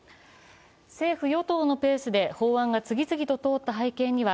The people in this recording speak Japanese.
政府・与党のペースで法案が次々と通った背景には